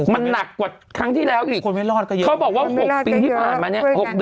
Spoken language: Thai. มันหนักกว่าครั้งที่แล้วอีก